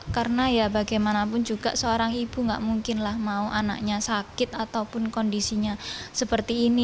karena ya bagaimanapun juga seorang ibu gak mungkin lah mau anaknya sakit ataupun kondisinya seperti ini